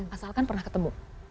asalkan pernah ketemu